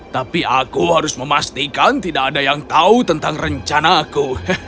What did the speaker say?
tapi aku harus memastikan tidak ada yang tahu tentang rencanaku